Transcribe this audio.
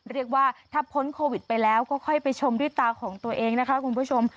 เรียกว่าถ้าพ้นโควิดไปแล้วก็ค่อยไปชมด้วยตาของตัวเองนะคะคุณผู้ชม